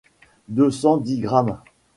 deux cent dix grammes.